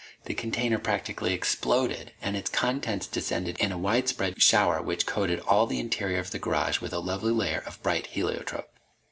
The container practically exploded and its contents descended in a widespread shower which coated all the interior of the garage with a lovely layer of bright heliotrope.